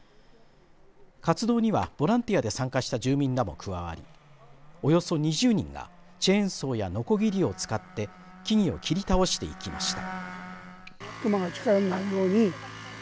活動にはボランティアで参加した住民らも加わりおよそ２０人がチェーンソーやのこぎりを使って木々を切り倒していきました。